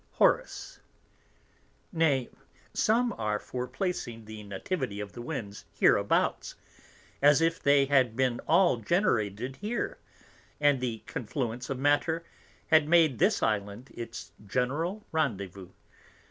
Hor. Nay, some are for placing the Nativity of the Winds hereabouts, as if they had been all generated here, and the Confluence of Matter had made this Island its General Rendezvouz.